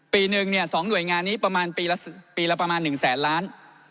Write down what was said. ปีหนึ่ง๒หน่วยงานนี้ประมาณปีละประมาณ๑แสนล้าน